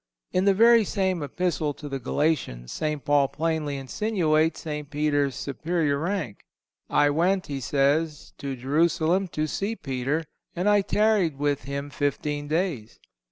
In the very same Epistle to the Galatians St. Paul plainly insinuates St. Peter's superior rank. "I went," he says, "to Jerusalem to see Peter, and I tarried with him fifteen days."